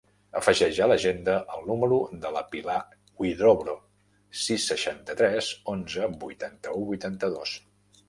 Afegeix a l'agenda el número de la Pilar Huidobro: sis, seixanta-tres, onze, vuitanta-u, vuitanta-dos.